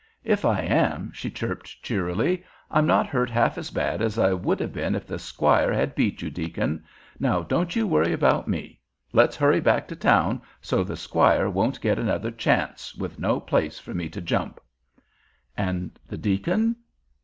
"If I am," she chirped, cheerily, "I'm not hurt half as bad as I would have been if the squire had beat you, deacon. Now don't you worry about me. Let's hurry back to town so the squire won't get another chance, with no place for me to jump." And the deacon?